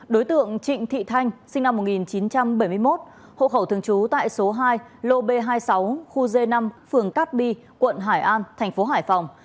đối tượng trịnh thị thanh sinh năm một nghìn chín trăm bảy mươi một hộ khẩu thường trú tại số hai lô b hai mươi sáu khu d năm phường cát bi quận hải an thành phố hải phòng